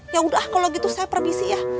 yaudah kalo gitu saya permisi ya